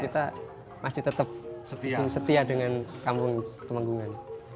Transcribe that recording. kita masih tetap setia dengan kampung temenggungan